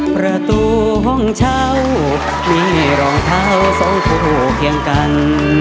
ประตูห้องเช่ามีรองเท้าสองคู่เคียงกัน